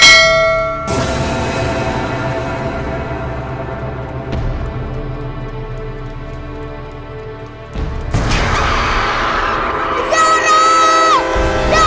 tidak ada yang bisa dihilang